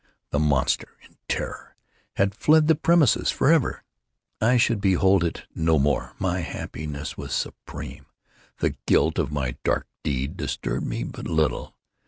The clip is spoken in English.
The monster, in terror, had fled the premises forever! I should behold it no more! My happiness was supreme! The guilt of my dark deed disturbed me but little.